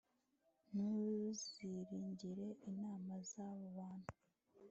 ntuziringire inama z'abo bantu